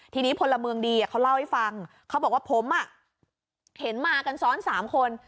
ทีนี้พลเมืองดีเขาเล่าให้ฟังเขาบอกว่าผมเห็นมากันซ้อน๓คน